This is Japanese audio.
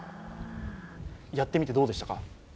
やってみて、どうでしたか？